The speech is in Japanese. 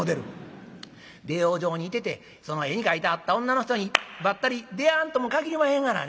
出養生に行ててその絵に描いてあった女の人にばったり出会わんとも限りまへんがな。ね？